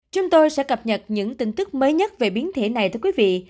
chúng tôi sẽ cập nhật những tin tức mới nhất về biến thể này thưa quý vị